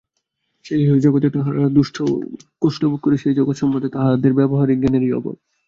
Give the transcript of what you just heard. যে ইহজগতে তাহারা দুঃখকষ্ট ভোগ করে, সেই জগৎ সম্বন্ধে তাহাদের ব্যবহারিক জ্ঞানেরই অভাব।